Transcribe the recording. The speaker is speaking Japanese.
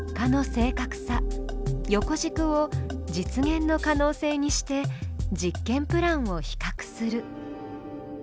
横軸を実現の可能性にして実験プランを比較する。